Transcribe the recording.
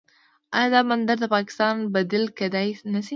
آیا دا بندر د پاکستان بدیل کیدی نشي؟